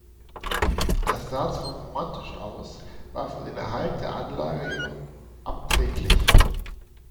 Das sah zwar romantisch aus, war für den Erhalt der Anlage jedoch abträglich.